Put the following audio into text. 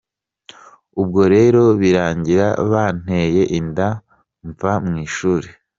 Ubwo rero birangira banteye inda mva mu ishuri.